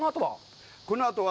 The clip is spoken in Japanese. このあとは？